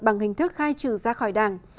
bằng hình thức khai trừ ra khỏi đảng